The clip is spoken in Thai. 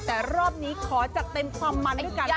แต่รอบนี้ขอจัดเต็มความมันด้วยกัน